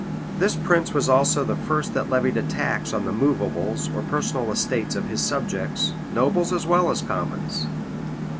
This prince was also the first that levied a tax on the movables or personal estates of his subjects, nobles as well as commons.